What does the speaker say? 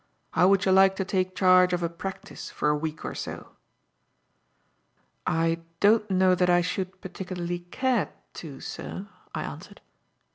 How would you like to take charge of a practice for a week or so?" "I don't know that I should particularly care to, sir," I answered.